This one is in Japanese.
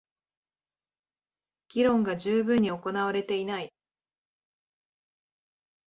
議論が充分に行われていない